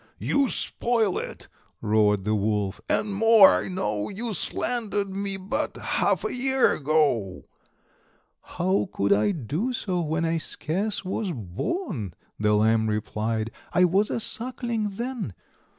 "You spoil it!" roared the Wolf; "and more, I know, You slandered me but half a year ago." "How could I do so, when I scarce was born?" The Lamb replied; "I was a suckling then."